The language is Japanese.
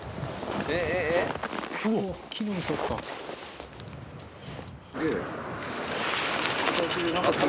木の実とった。